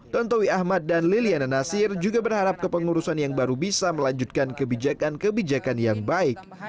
tontowi ahmad dan liliana nasir juga berharap kepengurusan yang baru bisa melanjutkan kebijakan kebijakan yang baik